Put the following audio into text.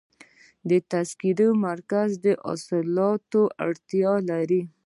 د تذکرو مرکز اصلاحاتو ته اړتیا لري.